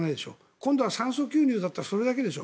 今度は酸素吸入だったらそれだけでしょ。